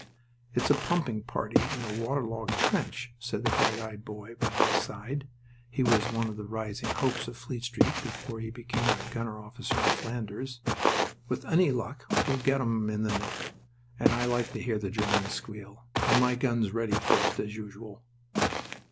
"It's a pumping party in a waterlogged trench," said a bright eyed boy by my side (he was one of the rising hopes of Fleet Street before he became a gunner officer in Flanders). "With any luck we shall get 'em in the neck, and I like to hear the Germans squeal... And my gun's ready first, as usual."